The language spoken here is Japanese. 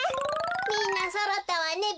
みんなそろったわねべ。